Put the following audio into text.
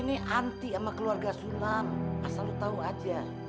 nanti sama keluarga sulam masa lo tau aja